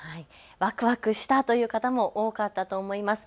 ワクワクしたという方も多かったと思います。